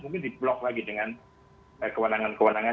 mungkin di blok lagi dengan kewenangan kewenangan